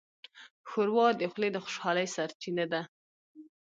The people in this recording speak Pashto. ښوروا د خولې د خوشحالۍ سرچینه ده.